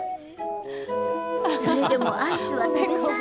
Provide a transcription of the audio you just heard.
それでもアイスは食べたい。